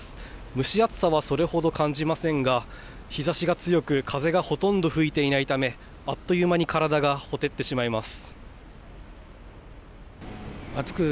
蒸し暑さはそれほど感じませんが日差しが強く風がほとんど吹いていないためあっという間に体がほてってしまいます。